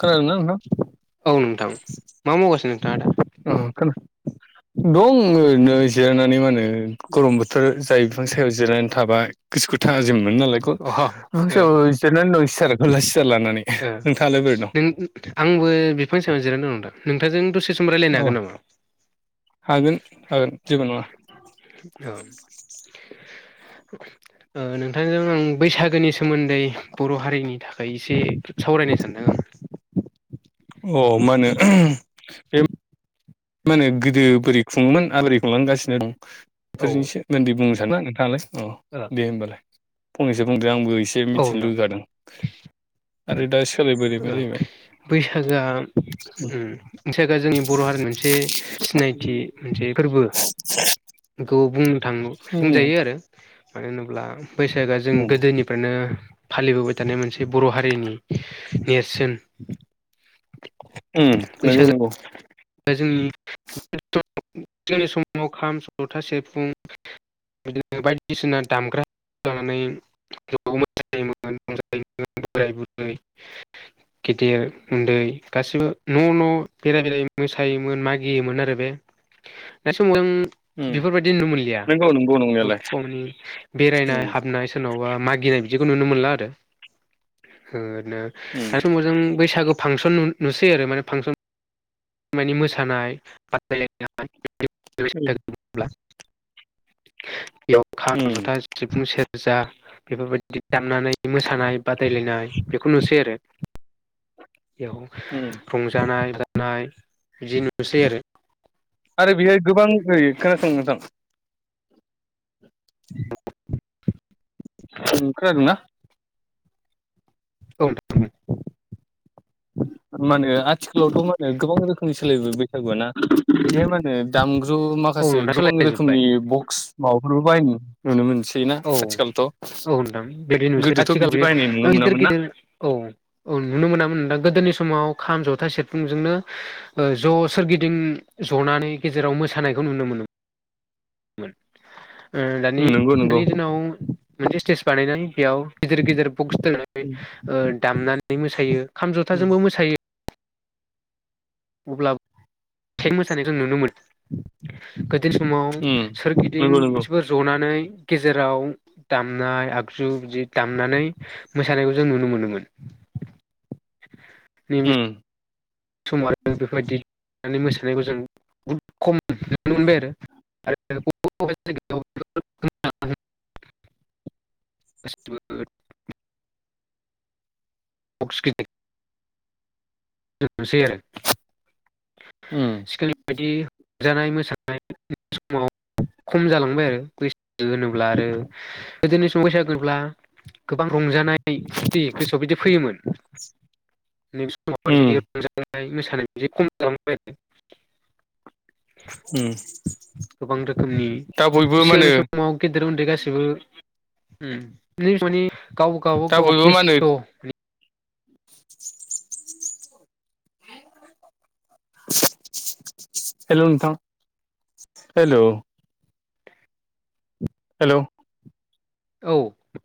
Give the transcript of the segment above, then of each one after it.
खोनादोंना नोंथां? औ नोंथां मा मावगासिनो नोंथाङा दा? ओह खोनाद दं ओरैनो जिरनानै मा ओनो। गरम बोथोर जाय बिफां सायाव जिरायनानै थाबाय गोसोखो थाज। जों अह ओ मोनमालायख' जिरनानै दं सिथारखौला सियार लानानै नोंथाङालाय बोरै दं‌। नों आंबो बिफांनि सायायाव जिरायनानै दंं नोथां नोंथांजों दसे स। औ हागोन हागोन जेबो नङा। औ। ओ नोंथांजों आं बैसागोनि सोमोन्दै बर' हारिनि थाखाय इसे सावरायद। दिनै सानदों आं। अ मा ओनो बे मा। मा होनो गोदो बोरै खुङोमोन माबोरै खुंलांगासिनो दं औ बेफोरजों सोमोनदै बुंनोस। नोंथाङालाय अ दे होमबालाय फंनैसो बुं। आंबो इसे औ मिथिनो नों लुगैगादों आरो दा इस। ओ बैसागोआ ओम बैसागोआ जोंनि बर' हारिनि मोन। मोनसे सिनायथि मोनसे फोरबो खौ बुं। थांगौ उम बुंजायो आरो मानो होनोब्ला बैसागोआ जों उम गोदोनिफ्रायनो। फालिबोबाय थानाय मोनसे बर' हारिनि नेरसोन। उम नोंगौ नंगौ। दा जोंनि जोंनि समाव खाम ज'था सेफुं। बिदिनो बायदिसिना दामग्रा जानानै गोबाव मोसायोमोन। बोराय बुरै। गेदिर उन्दै गासिबो न' न' बेराय बेराय। मोसायोमोन मागियोमोन आरो बे दा समाव जों। उम बेफोरबायदि नुनो मोनलिया। नंगौ नंगौ बुहुत नंनायालाय कमनि बेरायनाय उम हाबनाय सोरनावबा मागिनायब। बिदिखौ नुनो मोनला आरो ओ-रैनो दा उम समाव जों बैसागो फांसन नु। नुसै आरो माने फांसन माने मोसानाय बादायलायनाय। [unintelligible] बेयाव खाम उम जथा सिफुं सेरजा बेफोरबायददि दामनानै मोसानाय बादायलायनाय बेखौ नुसै आरो। बेयाव उम रंजानाय बानाय बिदि नुसै आरो। आरो बेहाय गोबां ओइ खोनासं नोंथां। [unintelligible] [inaudible] ओं खोनादों ना? औ [unintelligible] मानो आथिखालावथ' मानो गोबां रोखोमनि सोलायबो बैसागुआ ना। बेहाय मा होनो दामजु औ माखासे नोंथां गोबां सोलायजोब्बाय रोखोमनि बक्स माबाफोरफोरखौ बायनो नुनो मोनो। थैयोना औ आथिखाल थ'। औ नोंथां बिदि नुसै आथिखाल बि नुनो गिदिर मोनामोन ना गिदिर औ औ नुनो मोनामोन नोंदां। गोदोनि समाव खाम जथाइ सेरफुंजोंनो ओ ज' सोरगिदिं जनानै गेजेराव मो। मोसानायखौ नुनो मोनो। ओ उम दानि नंगौ नंगौ दानि दिनाव मोनसे स्टेज बानायनानै। बेयाव गिदिर गिदिर बक्स दोननानै उम ओ दामनानै मोसायो खाम जथाजोंबो मोसायो। अब्लाब थें मोसानायखौ जों नुनो मोन। [unintelligible] समाव उम सोरगिदिं नंगौ नंगौ मोनसिफोर जनानै। गेजेराव दामनाय आगजु बिदि दामनानै मोसानायखौ जों नुनो मोनोमोन। नि मिस उम समाव बेफोरबायदि मोसानायखौ जों बहुद खम नुनो मोनबाय आरो। आरो [unintelligible] फास [unintelligible] [unintelligible] नोसै आरो उम सिकोलनि बायदि जानाय मोसानाय समाव खम जालांबाय आरो बैस दो होनोब्ला आरो गोदोनि [unintelligible] गोबां रंजानाय फुरथि गोसोआव बिदि फैयोमोन नैबे समाव उम [unintelligible] ओमफ्राय मोसानाय बिदि खम जालांबाय उम गोबां रोखोमनि दा बयबो मा होनो सिगांनि समाव गे देर उन्दै गासिबो उम दा बयबो मा होनो [unintelligible] [inaudible] हेल' नोंथां हेल' हेल' औ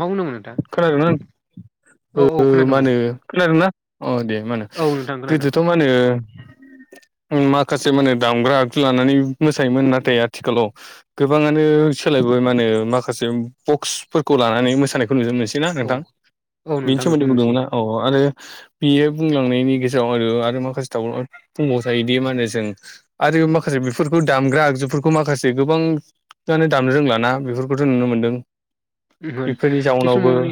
मा बुंदोंमोन खोनादोंना नोंथां औ ओ औ मा खोनादों बुं होनो खोनादोंना अ दे मा होनो औ नोंथां खोनादों गोदोथ' मा होनो [inaudible] माखासे माने दामग्रा आगजु लानानै मोसायोमोन नाथाय आथिखालाव गोबाङानो सोलायबोबाय मा होनो माखासे बक्सफोरखौ लानानै मोसानाय खौ जों नुसैना औ नोंथां औ बेनि नोंथां बेखौ सोमोन्दै नुसै बुंदोंमोनना औ आरो बियो बुंलांनायनि गेजेराव आरो आरो माखासे थाबावो बुंबाव जायोदि मा होनो जों आरो माखासे बेफोरखौ दामग्रा आगजुफोरखौ माखासे गोबां नानै दामनो रोंलाना बेफोरखौथ' नुनो मोन्दों मोन बे समाव नै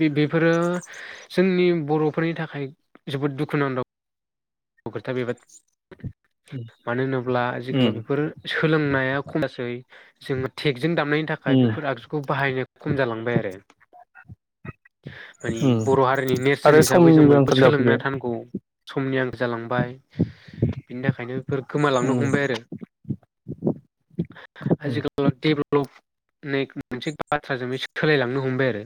बे बेफोरो जोंनि नि बर'फोरनि थाखाय जोबोद दुखुनांथाव खोथा बेबाद मानो होनोब्ला उम आजिखालाव बेफोर सोलोंनाया खमासै जोंङो टेकजों दामनायनि थाखाय उम बेफोर आगजुखौ बाहायनो खम जालांबाय आरो ऐ उम बर' हारिनि नेरसोन आरो हिसाबै जों समनिबो बयबो आंखाल सोलोंना जाफैबाय थानांगौ समनि आं जालांबाय बिनि थाखायनो बेफोर गोमालांनो उम हमबाय आरो उम आजिखाल देबो औ [unintelligible] मोनसे बाथ्राजोंनो सोलायलांनो हमबाय आरो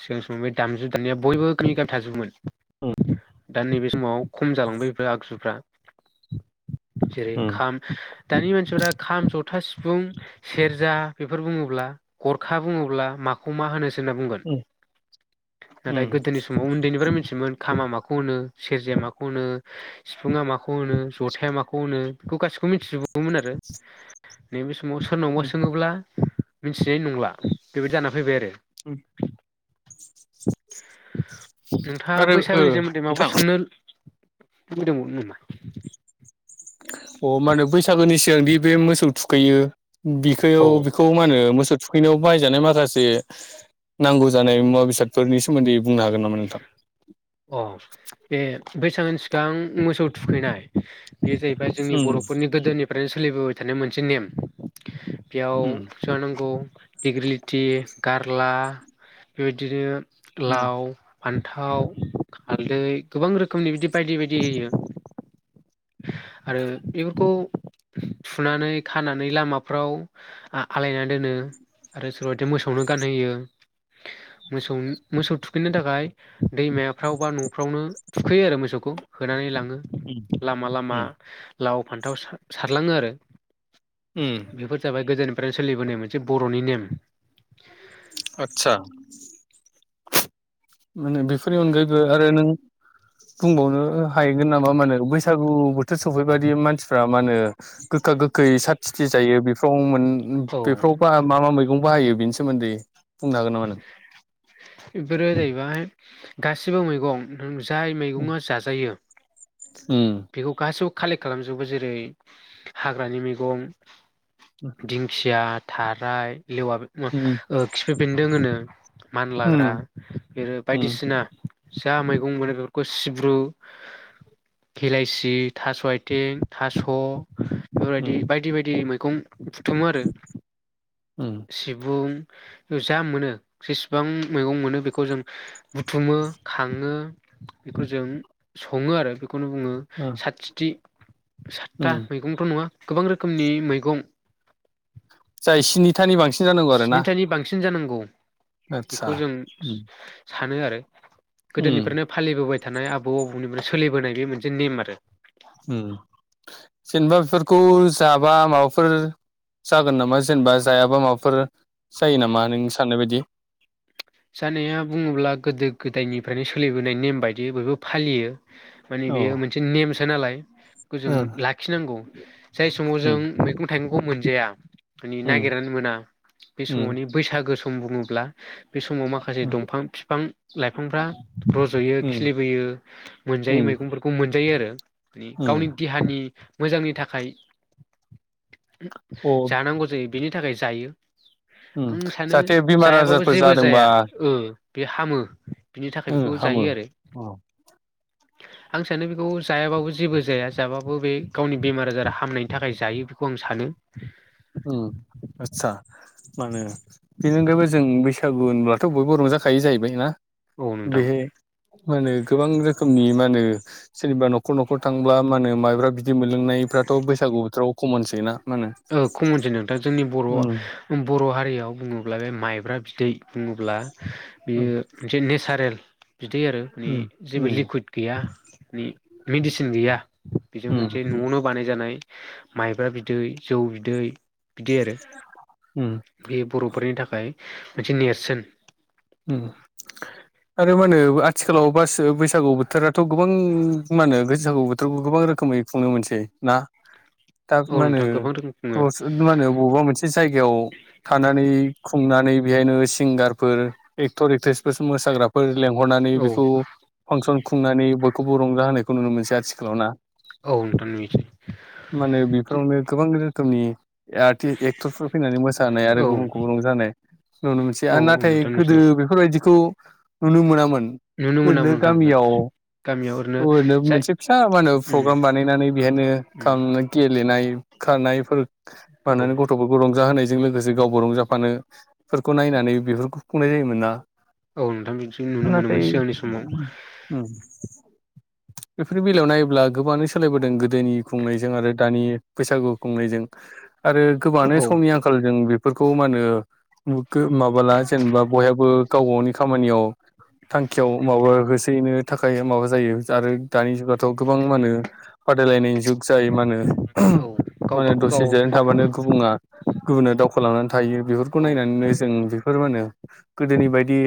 सिगां समाव बे दामजु दामनाया बयबो गामि [unintelligible] थाजोबोमोन दा नैबे समाव खम जालांबाय बेफोर आगजुफ्रा जेरै उम खाम दानि मानसिफोरा खाम ज था सिफुं सेरजा बेफोर बुङोब्ला गरखा बुङोब्ला माखौ मा होनो सो होनना बुंगोन उम उम नाथाय गोदोनि समाव उन्दैनिफ्रायनो मिथि मोन खामा माखौ होनो सेरजाया माखौ होनो सिफुङा माखौ होनो जथाया माखौ होनो बेखौ गासिखौबो मिथिजोबोबोमोन आरो नैबे समाव सोरनावबा उम सोङोब्ला मिथिनाय नंला बेबायदि जाना फैबाय आरो उम नोंथाङा आरो ओ बैसागोनि सोमोन्दै नोंथां माबाफोर अ सोंनो लुगैदोंमोन नामा अ मा होनो बैसागोनि सिगां दि बे मोसौ थुखैयो बिखोयौ औ बिखौ मा होनो मोसो थुखैनायाव बाहायजानाय माखासे नांगौ जानाय मुवा बेसादफोरनि सोमोन्दै बुंनो हागोन नामा नोंथां? अ बे बैसागोनि सिगां मोसौ थुखैनाय बे जाहैबाय जोंनि बर'फोरनि गोदोनि फ्रायनो सोलिबोबाय थानाय मोनसे नेम बेयाव जानांगौ दिग्लिलिथि गारला बेबायदिनो लाव फान्थाव हालदै गोबां रोखोमनि बिदि बायदि बायदि आरो बेफोरखौ थुनानै खानानै लामाफ्राव आ आलायनानै दोनो आरो सोरबा बादिया मोसौनो गानहोयो मोसौ मोसौ थुखैनो थाखाय थाखाय दैमाफ्राव बा न'फ्रावनो थुखैयो आरो मोसौखौ होनानै लाङो लामा लामा लाव फान्थाव सारलाङो आरो बेफोर जाबाय गोदोनिफ्रायनो सोलिबोनाय मोनसे बर'नि नेम आतसा माने बेफोरनि अनगायैबो आरो नों [inaudible] बुंबावनो हाहैगोन नामा मा होनो बैसागु बोथोर सफैबायादि मानसिफ्रा मा होनो गोखा गोखा गोखै सात तिथि जायो बेफ्राव मोन औ बेफ्राव मा मा मैगं बाहायो बेनि सोमोन्दै बुंनो हागोन नामा नों बेफोरो जाहैबाय गासिबो मैगं जाय मैगङा जाजायो उम बिखौ गासि कालेक्ट खालामजोबो जेरै हाग्रानि मैगं उम दिंखिया थाराइ लेवा उम खिफि बेन्दों होनो उम मानलाग्रा बि उम बायदिसिना जा मैगं मोनो बेफोरखौ सिब्रु हिलाइसि थास' आथिं थास' बेफोरबायदि उम बायदि बायदि मैगं बुथुमो आरो उम सिबुं जा मोनो गोबां मैगं मोनो बेखौ जों बुथुमो खाङो बेखौ जों सङो आरो बे बेखौनो बुङो ओ साथिथि सातथा उम मैगंथ' नङा गोबां रोखोमनि मैगं जाय स्निथानि बांसिन जानांगौ आरो ना सिन जानांगौ आदसा बेखौ जों उम सानो आरो उम गोदोनिफ्रायनो फालिबोबाय थानाय आबौ आबौनिफ्राय सोलिबोनाय बे मोनसे नेम आरो जेनेबा बेफोरखौ जाबा माबाफोर जागोन नामा जेनेबा जायाबा माबाफोर जायो नामा नों साननाय बायदि जानाया बुङोब्ला गोदो गोदायनिफ्रायनो सोलिबोनाय नेम बायदि बयबो फालियो माने औ बेयो मोनसे नेमसो नालाय जों ओ लाखिनांगौ जाय समाव जों उम मैगं थाइगंखौ मोनजाया माने उम नागिरनानै मोना बे उम समावनो बैसागो सम बुङोब्ला बे समाव माखासे उम दंफां बिफां लाइफांफ्रा रज'यो खिलिबोयो मोनजायै मोन उम मैगंफोरखौ मोनजायो आरो माने गावनि उम देहानि मोजांनि थाखाय अ जानांगौ जायो बेनि थाखाय जायो उम आं सानो जाहाथे बेमार जायाबाबो ज आजारफोर जेबो जादोंबा जाया बे हामो बिनि थाखाय उम बेखौ हामो जायो आरो अ [inaudible] आं सानो बेखौ जायाबाबो जेबो जाया जाबाबो बे गावनि बेमार आजार हामनायनि थाखाय जायो बेखौ आं सानो नो औ आस्सा मा होनो बेनि अनगायैबो जों बैसागु होनब्लाथ' बयबो रंजाखायो जाहैबाय ना औ नोंथां बेहाय मा होनो गोबां रोखोमनि मा होनो जेनेबा न'खर न'खर थांब्ला मा होनो माइब्रा बिदै मोन लोंनायफ्राथ' बैसागु बोथोराव खमनसै ना होनो कमनसै नोंथां जोंनि बर' बर' हारियाव बुङोब्ला बे माइब्रा बिदै बुङोब्ला बियो मोनसे नेसारेल बिदै आरो मानि जेबो लिकुइद गैया माने मेडिसिन गैया बेजों मोनसे न'आवनो बानाय जानाय माइब्रा बिदै जौ बिदै बिदि आरो बे बर'फोरनि थाखाय मोनसे नेरसोन ओम [inaudible] आरो मा होनो आथिखालाव बास बैसागु बोथोराथ' गोबां मानो बैसागु बोथोरखौथ' गोबां रोखोमै खुंनो मोनसै ना? दा औ मा नोंथां गोबां रोख [unintelligible] मा होनो बबेबा मोनसे जायगायाव थानानै खुंनानै बेहायनो सिंगारफोर एक्टर एक्ट्रेसफोर मोसाग्राफोर लेंहरनानै औ बेखौ फांसन खुंनानै बयखौबो रंजा होनाय नुनो मोनसै आथिखालाव ना औ नोंथां नुयोसै माने बेफोरावनो गोबां रोखोमनि आर्टिस् एक्टरफोर फैनानै मोसानाय आरो औ गुबुनखौबो रंजानाय नुनो मोनसै औ आरो औ नाथाय नोंथां नुसै गोदो बेफोरबायदिखौ नुनो मोनामोन नुनो ओरैनो मोनामोन नोंथांखौ गामियाव गामियाव ओरैनो जाय मोनसे फिसा मा होनो उम फ्रग्राम बानायनानै बेहायनो उम [unintelligible] गेलेनाय खारनायफोर औ माहोनो गथ'फोरखौ रंजा होनाय जों लोगोसे गावबा रंजाफानो फोरखौ नायनानै बेफोरखौ खुंनाय जायोमोन ना? औ नोंथां बिदि नुनो नाथाय मोनोमोन सिगांनि समाव उम बेफोरनि बेलायाव नायोब्ला गोबाङानो सोलायबोदों गोदोनि खुंनायजों आरो दानि बैसागु खुंनायजों आरो गोबाङानो औ समनि आंखालजों बेफोरखौ मा होनो [unintelligible] माबाला जेनबा बयहाबो गाव गावनि खामानियाव थांखियाव माबा [unintelligible] थाखाय माबा जायो [unintelligible] दानि जुगाथ' गोबां मानो बादायलायनायनि जुग जायो मानो औ [unintelligible] गाव मानो दसे गावबागाव जिरायना थाबानो गुबुङा गुबुना दावखोलांनानै थायो बेफोरखौ औ नायनानैनो जों बेफोर मानो गोदोनि बायदि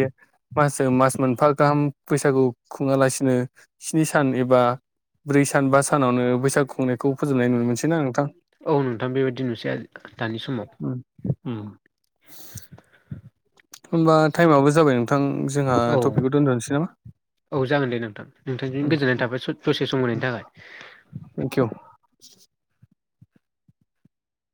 मासजों मास मोनफा गाहाम बैसागु खुङालासिनो स्नि सान एबा ब्रै सान बा सानावनो बैसागु खुंनाय खौ फोजोबनाय नुनो मोनसैना नोंथां? औ नोंथां बेबायदि नुसै दानि समाव ओम [inaudible] ओमबा टाइमाबो जाबाय नोंथां जोंहा औ टपिकखौ दोनथ'नोसै नामा औ जागोन दे नोंथां नोंथांजों गोजोननाय थाबाय स दसे सम होनायनि थाखाय थेंक इउ